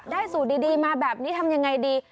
สูตรดีมาแบบนี้ทำยังไงดี